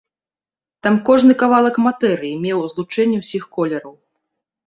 Там кожны кавалак матэрыі меў злучэнне ўсіх колераў.